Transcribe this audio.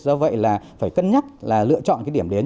do vậy là phải cân nhắc là lựa chọn cái điểm đến